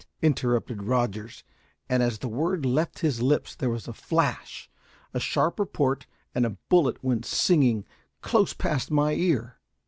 interrupted Rogers; and as the word left his lips there was a flash, a sharp report, and a bullet went singing close past my ear.